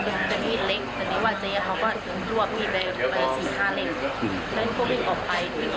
ผู้หญิงมันก็ปากคอไปทีนึง